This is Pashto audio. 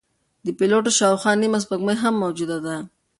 د پلوټو شاوخوا نیمه سپوږمۍ هم موجوده ده.